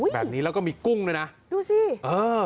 แบบนี้แล้วก็มีกุ้งด้วยนะดูสิเออ